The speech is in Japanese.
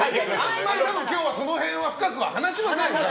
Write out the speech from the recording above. あんまり今日はその辺は深くは話しませんから。